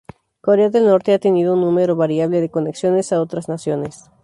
Corea del Norte ha tenido un número variable de conexiones a otras naciones.